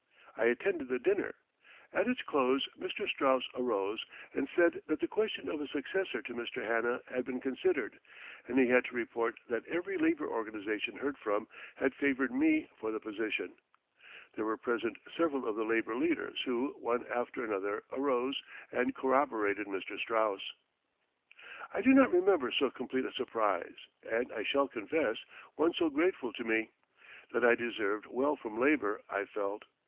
I attended the dinner. At its close Mr. Straus arose and said that the question of a successor to Mr. Hanna had been considered, and he had to report that every labor organization heard from had favored me for the position. There were present several of the labor leaders who, one after another, arose and corroborated Mr. Straus. I do not remember so complete a surprise and, I shall confess, one so grateful to me. That I deserved well from labor I felt.